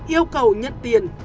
yêu cầu nhận tiền